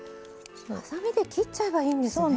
はさみで切っちゃえばいいんですね。